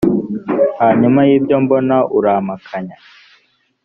hanyuma y ibyo mbona urampakanya